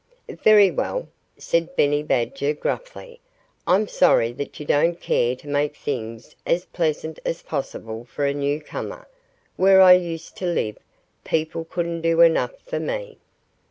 "Very well!" said Benny Badger gruffly. "I'm sorry that you don't care to make things as pleasant as possible for a newcomer. Where I used to live, people couldn't do enough for me."